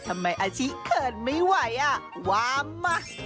ทำไมอาชีลูปเขินไม่ไหวอ่ะว้าวมัก